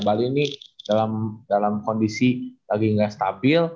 bali ini dalam kondisi lagi gak stabil